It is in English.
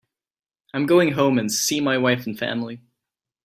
I'm going home and see my wife and family.